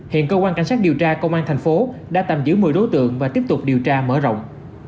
hiện cơ quan cảnh sát điều tra công an thành phố đã tạm giữ một mươi đối tượng và tiếp tục điều tra mở rộng